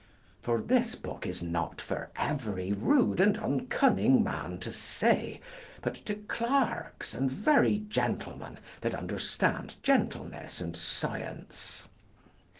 For this book is not for every rude and uncunning man to see, but to clerks and very gentlemen that understand gentleness and science.